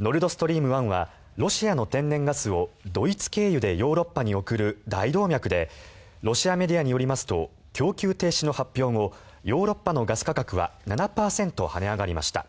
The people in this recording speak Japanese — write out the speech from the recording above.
ノルド・ストリーム１はロシアの天然ガスをドイツ経由でヨーロッパに送る大動脈でロシアメディアによりますと供給停止の発表後ヨーロッパのガス価格は７％跳ね上がりました。